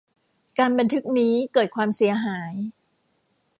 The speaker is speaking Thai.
การบันทึกนี้เกิดความเสียหาย